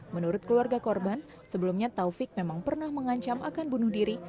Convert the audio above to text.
menurut keluarga korban sebelumnya taufik memang pernah mengancam akan bunuh diri